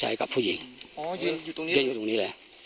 อยู่ตรงนี้